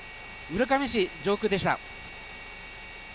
村上市上空でした。